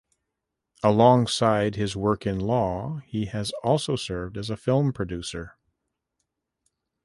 Alongside his work in law, he has also served as a film producer.